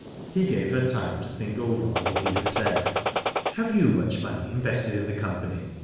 He gave her time to think over all he had said. " Have you much money invested in the com pany